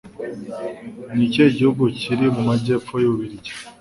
Nikihe gihugu kiri mu majyepfo y'Ububiligi